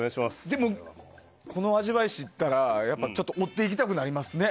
でも、この味わいを知ったら追っていきたくなりますね。